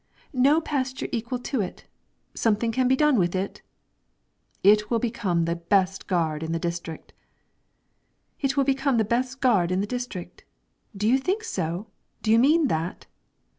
"No pasture equal to it! Something can be done with it?" "It will become the best gard in the district!" "It will become the best gard in the district! Do you think so? Do you mean that?"